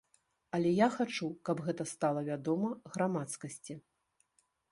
Але я хачу, каб гэта стала вядома грамадскасці.